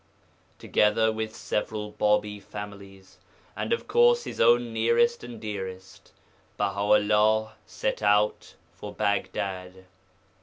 Together with several Bābī families, and, of course, his own nearest and dearest, Baha 'ullah set out for Baghdad.